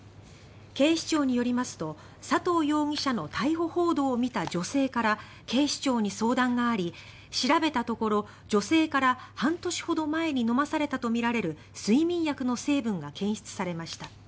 警視庁によりますと佐藤容疑者の逮捕報道を見た女性から警視庁に相談があり調べたところ女性から、半年ほど前に飲まされたとみられる睡眠薬の成分が検出されました。